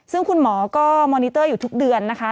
ซึ่งคุณหมอก็มอนิเตอร์อยู่ทุกเดือนนะคะ